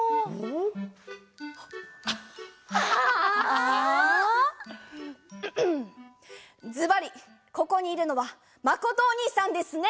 んんっずばりここにいるのはまことおにいさんですね！